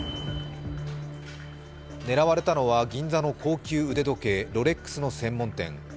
狙われたのは銀座の高級腕時計ロレックスの専門店。